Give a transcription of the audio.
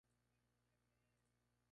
Kim Yong-ik tuvo varios hijos y nietos.